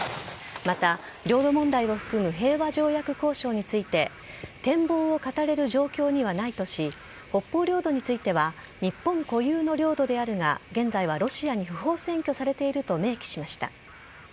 また、領土問題を含めた平和条約交渉について展望を語れる状況にはないとし北方領土については日本固有の領土であるが現在はロシアに不法占拠されていると明記しました。